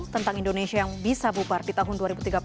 tentang indonesia yang bisa bubar di tahun dua ribu tiga puluh